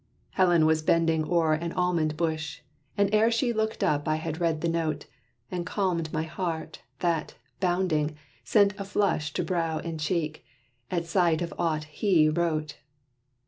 Helen was bending o'er an almond bush, And ere she looked up I had read the note, And calmed my heart, that, bounding, sent a flush To brow and cheek, at sight of aught he wrote.